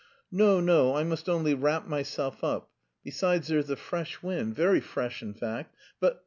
"No, no, I must only wrap myself up, besides there's a fresh wind, very fresh in fact, but...